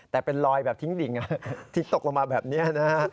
แต่เป็นลอยแบบทิ้งกลริงเข้ามาแบบนี้นะ